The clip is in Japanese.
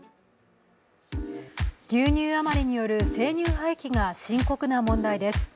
牛乳余りによる生乳廃棄が深刻な問題です。